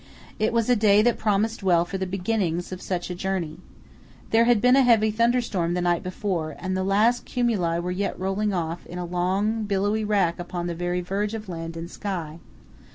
It was a day that promised well for the beginning of such a journey. There had been a heavy thunderstorm the night before, and the last cumuli were yet rolling off in a long billowy rack upon the verge of land and sky.